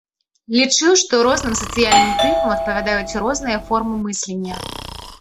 Лічыў, што розным сацыяльным тыпам адпавядаюць розныя формы мыслення.